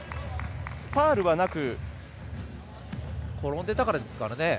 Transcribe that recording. ファウルはなく転んでたからですかね。